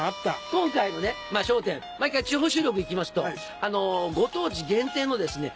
今回もね『笑点』毎回地方収録行きますとご当地限定のですね